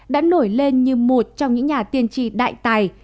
đã nổi lên như một trong những nhà tiên tri đại tài